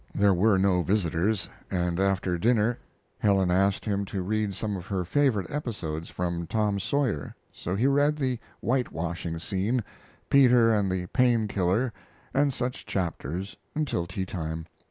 There were no visitors, and after dinner Helen asked him to read some of her favorite episodes from Tom Sawyer, so he read the whitewashing scene, Peter and the Pain killer, and such chapters until tea time.